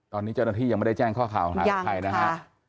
ตอนนี้เจ้าหน้าที่ยังไม่ได้แจ้งข้อข่าวหากับใครนะฮะ